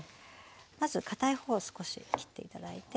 まず堅い方を少し切って頂いて。